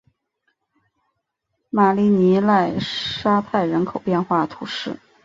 马里尼莱沙泰人口变化图示